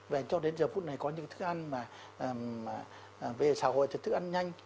và cho đến giờ phút này có những thức ăn mà về xã hội cho thức ăn nhanh